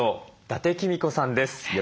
伊達公子さんです。